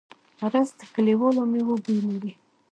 رس د کلیوالو مېوو بوی لري